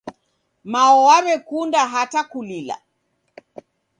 Mao waw'ekunda hata kulila.